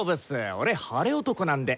俺晴れ男なんで！